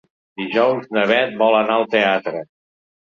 Dijous na Beth vol anar al teatre.